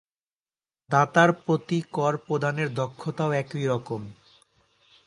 দাতার প্রতি কর প্রদানের দক্ষতাও একই রকম।